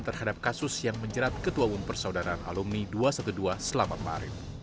terhadap kasus yang menjerat ketua bumpers saudaraan alumni dua ratus dua belas selamat marif